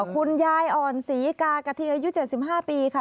คุณยายอ่อนศรีกากะทิอายุ๗๕ปีค่ะ